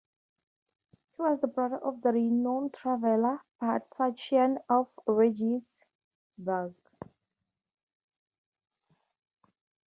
He was the brother of the renowned traveler Petachiah of Regensburg.